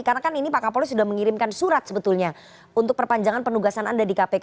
karena kan ini pak kapolri sudah mengirimkan surat sebetulnya untuk perpanjangan penugasan anda di kpk